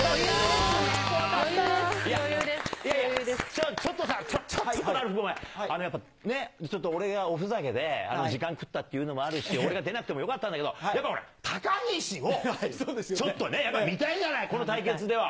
いやいや、ちょっとさ、ちょっとごめん、俺がおふざけで時間食ったっていうのもあるし、俺が出なくてもよかったんだけど、やっぱほら、高岸をちょっとね、やっぱり見たいじゃない、この対決では。